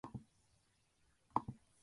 長野県小川村